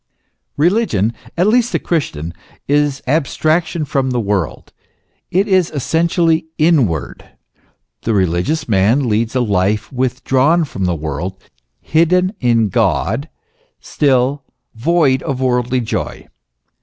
Religion, at least the Christian, is abstraction from the world ; it is essentially inward. The religious man leads a life withdrawn from the world, hidden in God, still, void of worldly joy.